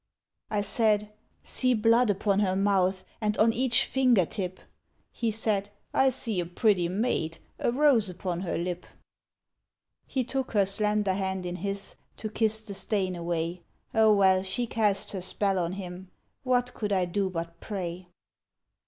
I said, ' See blood upon her mouth And on each finger tip !' He said, ' I see a pretty maid, A rose upon her lip.' THE WHITE WITCH 29 He took her slender hand in his To kiss the stain away — Oh, well she cast her spell on him, What could I do but pray?